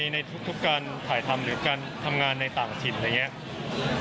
ในทุกการถ่ายทำหรือการทำงานในต่างถิ่นอะไรอย่างนี้